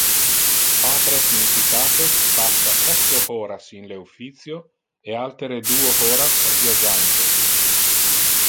Patres in citates passa octo horas in le officio e altere duo horas viagiante.